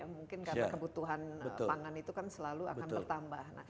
mungkin karena kebutuhan pangan itu kan selalu akan bertambah